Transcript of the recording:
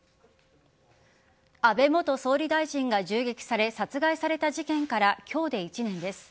安倍元総理大臣が銃撃され殺害された事件から今日で１年です。